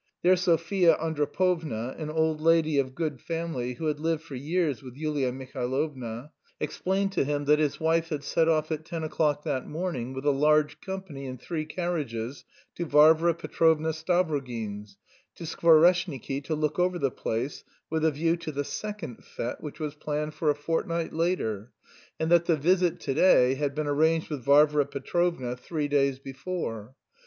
There Sofya Antropovna, an old lady of good family who had lived for years with Yulia Mihailovna, explained to him that his wife had set off at ten o'clock that morning with a large company in three carriages to Varvara Petrovna Stavrogin's, to Skvoreshniki, to look over the place with a view to the second fête which was planned for a fortnight later, and that the visit to day had been arranged with Varvara Petrovna three days before.